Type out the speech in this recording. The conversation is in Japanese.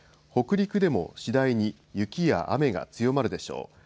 北陸でも次第に雪や雨が強まるでしょう。